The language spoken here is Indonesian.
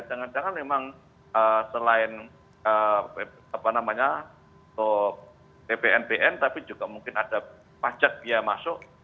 jangan jangan memang selain ppnbn tapi juga mungkin ada pajak biaya masuk